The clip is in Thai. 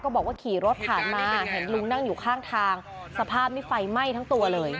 เขาก็บอกว่าขี่รถแผนมาลุงนั่งอยู่ข้างทางสภาพไฟไหม่ทั้งตัวเลย